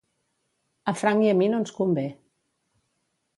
A Frank i a mi no ens convé.